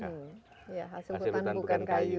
iya hasil hutan bukan kayu